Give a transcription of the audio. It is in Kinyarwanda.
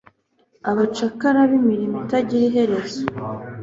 Abacakara bimirimo itagira iherezo